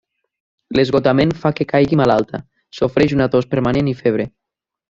L'esgotament fa que caigui malalta, sofreix una tos permanent i febre.